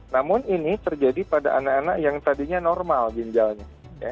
namun ini terjadi pada anak anak yang tadinya normal ginjalnya